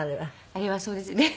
あれはそうです。